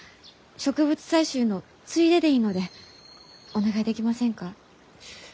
植物採集のついででいいのでお願いできませんか？